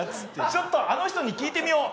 ちょっとあの人に聞いてみよう。